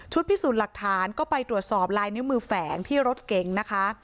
พิสูจน์หลักฐานก็ไปตรวจสอบลายนิ้วมือแฝงที่รถเก๋งนะคะ